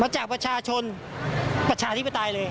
จากประชาชนประชาธิปไตยเลย